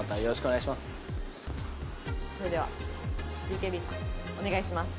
それではＢＫＢさんお願いします。